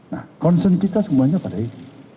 nah konsentrasi kita semuanya pada ini